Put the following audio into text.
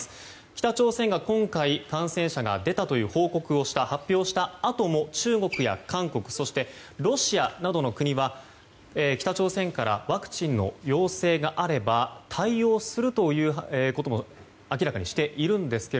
北朝鮮が今回感染者が出たという発表をしたあとも中国や韓国そしてロシアなどの国は北朝鮮からワクチンの要請があれば対応するということも明らかにしているんですが